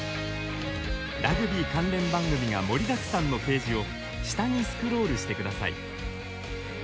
ラグビー関連番組が盛りだくさんのページを下にスクロールしてください。